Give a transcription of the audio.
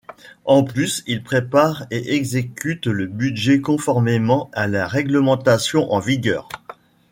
En plus, il prépare et exécute le budget conformément à la réglementation en vigueur.